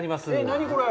何、これ？